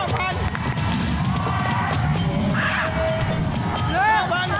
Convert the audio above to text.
ขออันนี้นะสี่ร้อยน่ะสี่ร้อย๒๕ล่ะ